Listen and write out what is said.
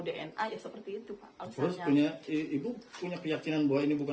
dna ya seperti itu pak harus punya ibu punya keyakinan buatnya